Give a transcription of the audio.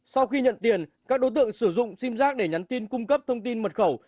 sau khi nhận tiền các đối tượng sử dụng sim giác để nhắn tin cung cấp thông tin mật khẩu